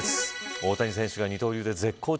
大谷選手が、二刀流で絶好調。